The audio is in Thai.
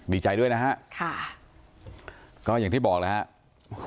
ดีใจด้วยนะฮะค่ะก็อย่างที่บอกแล้วครับ